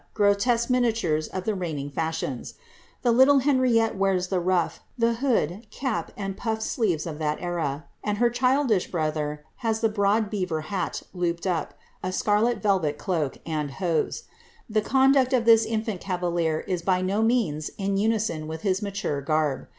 grotesque miniatures of the reigning fashions. The little Henrieiie wears tlie rulF, the hood, cap, and pulled sleeves of that era; and her childish brother has the broad beaver hat, looped up, a scarlet volrpi cloak, and hose. The conduct of this infant cavalier is by no means in unison with his mature garb.